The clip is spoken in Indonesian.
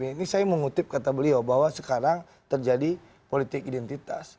ini saya mengutip kata beliau bahwa sekarang terjadi politik identitas